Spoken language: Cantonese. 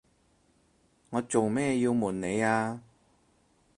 我做咩要暪你呀？